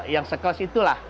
yang sekelas itulah